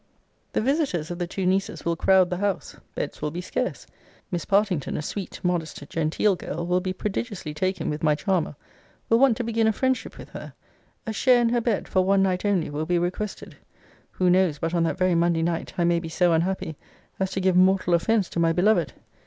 The visiters of the two nieces will crowd the house. Beds will be scarce: Miss Partington, a sweet, modest, genteel girl, will be prodigiously taken with my charmer; will want to begin a friendship with her a share in her bed, for one night only, will be requested. Who knows, but on that very Monday night I may be so unhappy as to give mortal offence to my beloved?